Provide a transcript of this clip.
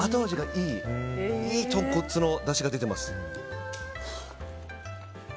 いいとんこつのだしが出てます。